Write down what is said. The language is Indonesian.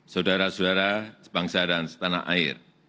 saudara saudara sebangsa dan setanah air